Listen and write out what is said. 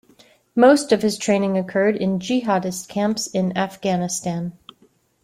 Most of his training occurred in jihadist camps in Afghanistan.